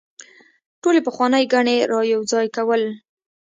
ټولې پخوانۍ ګڼې رايوځاي کول